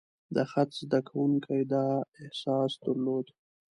د خط زده کوونکي دا احساس درلود.